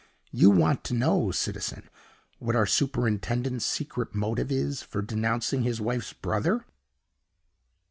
You want to know, citizen, what our superintendent's secret motive is for denouncing his wife's brother?